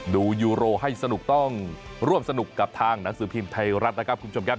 ยูโรให้สนุกต้องร่วมสนุกกับทางหนังสือพิมพ์ไทยรัฐนะครับคุณผู้ชมครับ